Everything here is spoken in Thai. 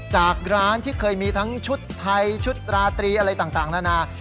จากร้านที่เคยมีทั้งชุดไทยชุดราตรีอะไรต่างนานา